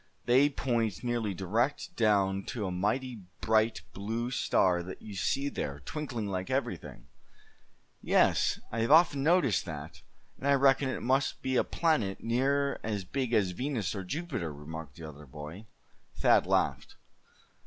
They point nearly direct down to a mighty bright blue star that you see there, twinkling like everything." "Yes, I've often noticed that, and I reckon it must be a planet near as big as Venus or Jupiter," remarked the other boy. Thad laughed.